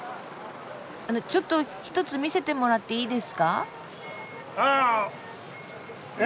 あのちょっと１つ見せてもらっていいですか？